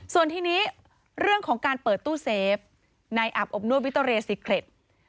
ส่วนทีนี้เรื่องของการเปิดตู้เซฟในอาบอบนวดวิโตเรซิเคล็ด